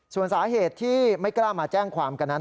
ส่วนสาเหตุที่ไม่กล้ามาแจ้งความกันนั้น